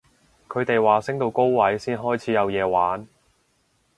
佢哋話升到高位先開始有嘢玩